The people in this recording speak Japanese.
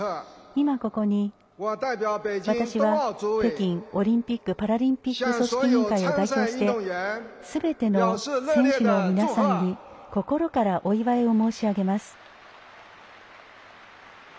今ここに、私は北京オリンピック・パラリンピック組織委員会を代表してすべての選手の皆さんに心からお祝いを申し上げます。